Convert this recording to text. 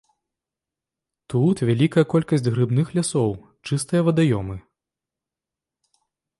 Тут вялікая колькасць грыбных лясоў, чыстыя вадаёмы.